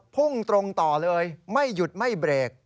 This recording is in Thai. พุ่งตรงต่อเลยไม่หยุดไม่เบรก